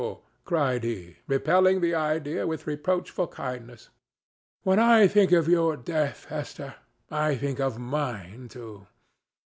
cried he, repelling the idea with reproachful kindness. "When I think of your death, Esther, I think of mine too.